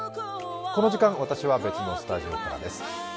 この時間、私は別のスタジオからです。